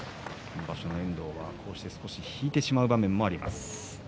今場所の遠藤は、こうして少し引いてしまう場面もあります。